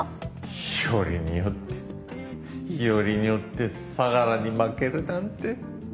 よりによってよりによって相良に負けるなんて。